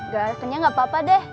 gak kenyang gak apa apa deh